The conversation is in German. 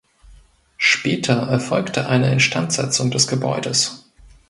Später erfolgte eine Instandsetzung des Gebäudes.